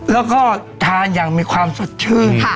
แล้วก็ทานอย่างมีความสดชื่น